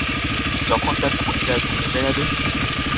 যখন তার খুনীরা ঘুরেবেড়াবে?